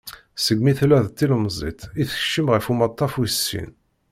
Segmi tella d tilemẓit i tekcem ɣer umaṭtaf wis sin.